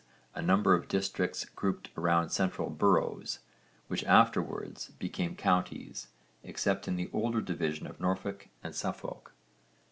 a number of districts grouped around central 'boroughs,' which afterwards became counties, except in the older divisions of Norfolk and Suffolk.